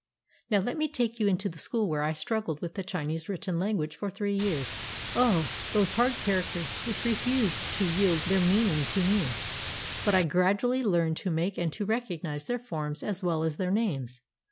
Now let me take you into the school where I struggled with the Chinese written language for three years. Oh ! those hard characters which refused to yield their mean 218 WHEN I WENT TO SCHOOL IN CHINA ing to me. But I gradually learned to make and to re cognize their forms as well as their names.